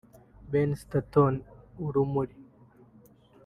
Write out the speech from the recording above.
Ben Stanton(urumuri)